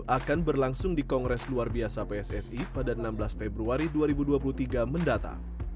akan berlangsung di kongres luar biasa pssi pada enam belas februari dua ribu dua puluh tiga mendatang